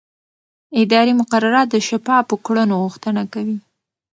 اداري مقررات د شفافو کړنو غوښتنه کوي.